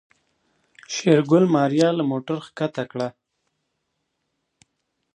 شېرګل ماريا له موټره کښته کړه.